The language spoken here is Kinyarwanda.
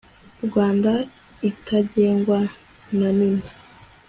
rwanda itagengwa na nini